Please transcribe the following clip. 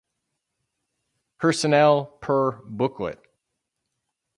Personnel per booklet.